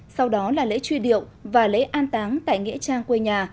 sau đó là lễ truy điệu và lễ an táng tại nghĩa trang quê nhà